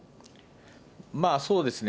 まあ、そうですね。